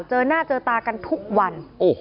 เจอหน้าเจอตากันทุกวัน